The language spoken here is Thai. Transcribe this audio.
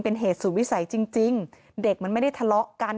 เป็นเหตุสูตรวิสัยจริงจริงเด็กมันไม่ได้ทะเลาะกัน